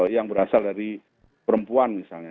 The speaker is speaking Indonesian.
yang berasal dari perempuan misalnya